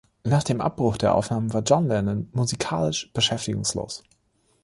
Nach dem Abbruch der Aufnahmen war John Lennon musikalisch beschäftigungslos.